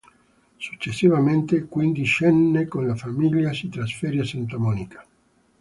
Successivamente, quindicenne, con la famiglia si trasferì a Santa Monica.